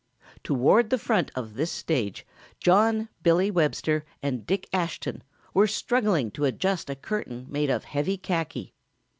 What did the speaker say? Toward the front of this stage, John, Billy Webster and Dick Ashton were struggling to adjust a curtain made of heavy khaki.